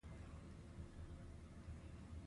په ځان چې پوهېدم ځواني تباه وه خبر نه وم